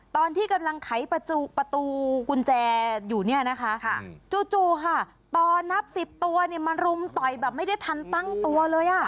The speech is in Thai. ตอนที่กำลังไขประตูกุญแจอยู่เนี่ยนะคะจู่ค่ะตอนนับ๑๐ตัวเนี่ยมารุมต่อยแบบไม่ได้ทันตั้งตัวเลย